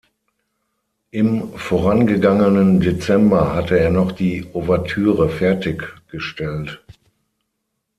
Im vorangegangenen Dezember hatte er noch die Ouvertüre fertiggestellt.